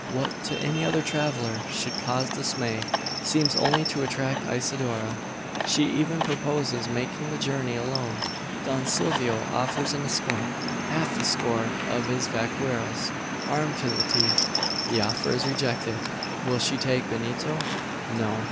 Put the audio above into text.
What to any other traveller should cause dismay, seems only to attract Isidora. She even proposes making the journey alone! Don Silvio offers an escort half a score of his vaqueros, armed to the teeth. The offer is rejected. Will she take Benito? No.